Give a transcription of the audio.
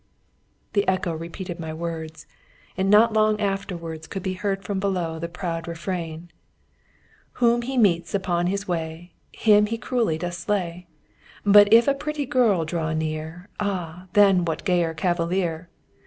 The echo repeated my words. And not long afterwards could be heard from below the proud refrain: "Whom he meets upon his way Him he cruelly doth slay; But if a pretty girl draw near, Ah, then what gayer cavalier!